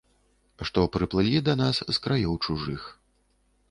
Што прыплылі да нас з краёў чужых.